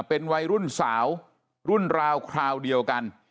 เป็นวัยรุ่นสาวรุ่นราวคราวเดียวกัน